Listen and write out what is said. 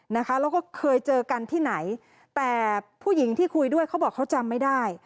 แล้วก็เคยเจอกันที่ไหนแต่ผู้หญิงที่คุยด้วยเขาบอกเขาจำไม่ได้